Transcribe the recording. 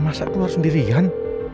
masa keluar sendirian